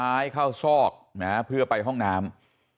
ไม่รู้ตอนไหนอะไรยังไงนะ